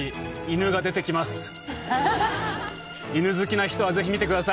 犬好きな人はぜひ見てください。